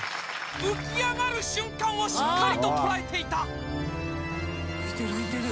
「浮き上がる瞬間をしっかりと捉えていた」